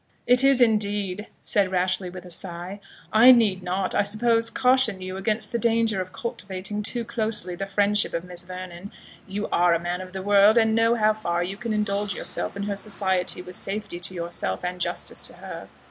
"It is indeed," said Rashleigh, with a sigh. "I need not, I suppose, caution you against the danger of cultivating too closely the friendship of Miss Vernon; you are a man of the world, and know how far you can indulge yourself in her society with safety to yourself, and justice to her.